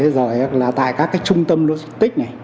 và tại các trung tâm lưu tích